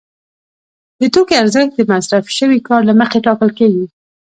د توکي ارزښت د مصرف شوي کار له مخې ټاکل کېږي